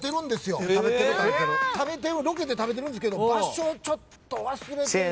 ロケで食べてるんですけど場所ちょっと忘れて。